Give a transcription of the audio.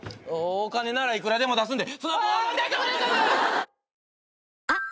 お金なら幾らでも出すんで。